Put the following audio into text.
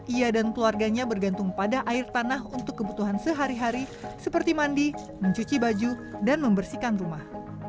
ia dan keluarganya bergantung pada air tanah untuk kebutuhan sehari hari seperti mandi mencuci baju dan membersihkan rumah